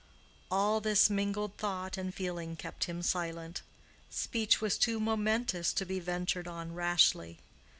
All this mingled thought and feeling kept him silent; speech was too momentous to be ventured on rashly.